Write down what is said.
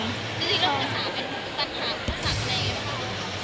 คือเรื่องอุปสรรคเป็นอุปสรรคเท่าไหร่หรือเปล่า